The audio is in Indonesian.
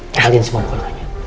cahalin semua bukannya